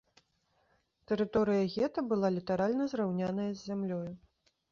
Тэрыторыя гета была літаральна зраўняная з зямлёю.